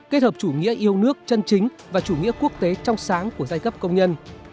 kết hợp chủ nghĩa yêu nước chân chính và chủ nghĩa quốc tế trong sáng của giai cấp công nhân